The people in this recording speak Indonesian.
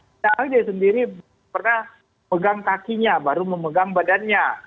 tidak karena dia sendiri pernah memegang kakinya baru memegang badannya